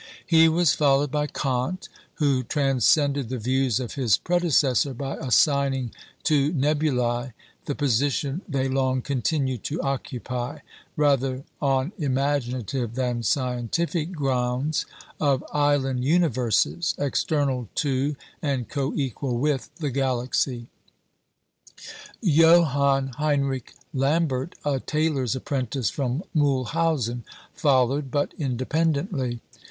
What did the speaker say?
He was followed by Kant, who transcended the views of his predecessor by assigning to nebulæ the position they long continued to occupy, rather on imaginative than scientific grounds, of "island universes," external to, and co equal with, the Galaxy. Johann Heinrich Lambert, a tailor's apprentice from Mühlhausen, followed, but independently.